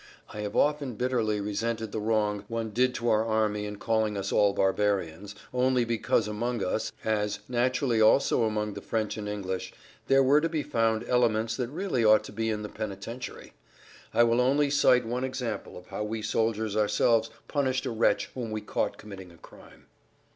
I have often bitterly resented the wrong one did to our army in calling us all barbarians, only because among us—as, naturally also among the French and English—there were to be found elements that really ought to be in the penitentiary. I will only cite one example of how we soldiers ourselves punished a wretch whom we caught committing a crime.